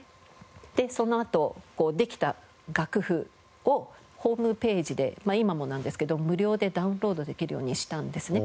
でそのあとできた楽譜をホームページで今もなんですけど無料でダウンロードできるようにしたんですね。